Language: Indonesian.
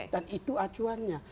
dan itu acuannya